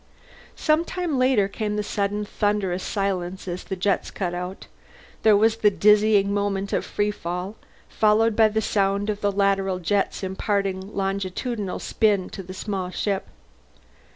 Some time later came the sudden thunderous silence as the jets cut out; there was the dizzying moment of free fall, followed by the sound of the lateral jets imparting longitudinal spin to the small ship.